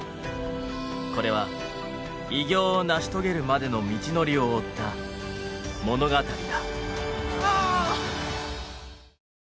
これは偉業を成し遂げるまでの道のりを追った物語だ。